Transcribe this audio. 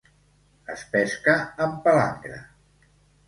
Es pesca amb palangre.